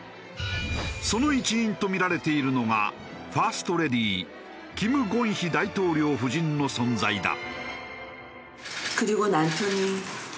その一因とみられているのがファーストレディー金建希大統領夫人の存在だ。